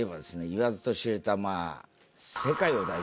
言わずと知れた。